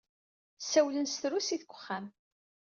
Ssawalen s trusit deg uxxam.